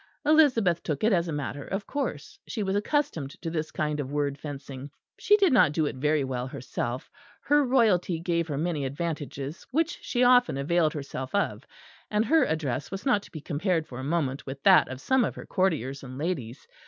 Elizabeth took it as a matter of course; she was accustomed to this kind of word fencing; she did not do it very well herself: her royalty gave her many advantages which she often availed herself of; and her address was not to be compared for a moment with that of some of her courtiers and ladies.